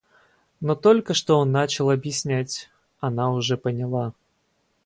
Но только что он начал объяснять, она уже поняла.